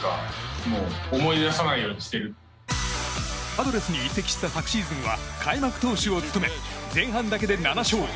パドレスに移籍した昨シーズンは開幕投手を務め前半だけで７勝。